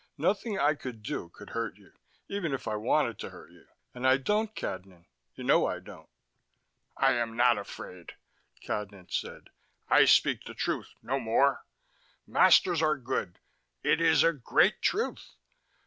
"Nothing I could do could hurt you now even if I wanted to hurt you. And I don't, Cadnan. You know I don't." "I am not afraid," Cadnan said. "I speak the truth, no more. Masters are good: it is a great truth."